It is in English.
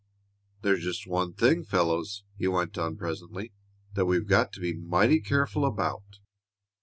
"There's just one thing, fellows," he went on presently "that we've got to be mighty careful about.